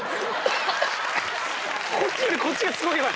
こっちより、こっちがすごいわ。